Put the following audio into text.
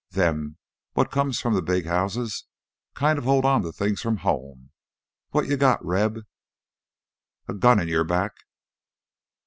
Them what comes from th' big houses kinda hold on to things from home. What you got, Reb?" "A gun in your back!"